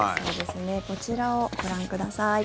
こちらをご覧ください。